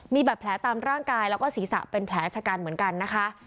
มีบาดแผลตามร่างกายแล้วก็ศีรษะเป็นแผลชะกันเหมือนกันนะคะ